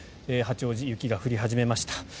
八王子、雪が降り始めました。